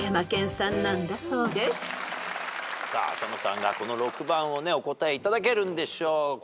さあ浅野さんがこの６番をお答えいただけるんでしょうか。